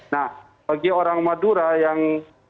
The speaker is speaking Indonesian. nah bagi orang madura yang